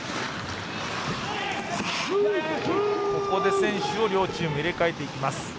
ここで選手を両チーム入れ替えていきます。